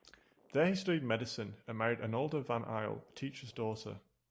There he studied medicine and married Arnolda van Eyl, a teacher's daughter.